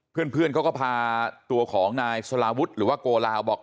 เพื่อนเขาก็พาตัวของนายสลาวุฒิหรือว่าโกลาวบอก